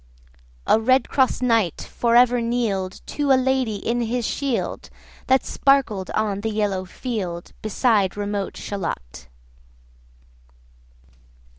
A red cross knight for ever kneel'd To a lady in his shield, That sparkled on the yellow field, 80 Beside remote Shalott.